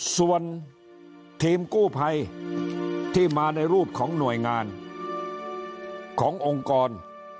ส่วนทีมกู้ภัยที่มาในรูปของหน่วยงานขององค์กร